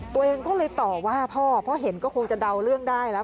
ตัวเองก็เลยต่อว่าพ่อเพราะเห็นก็คงจะเดาเรื่องได้แล้ว